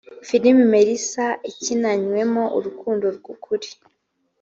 Filimi Melissa ikinanywe urukundo rw’ukuri